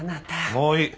もういい。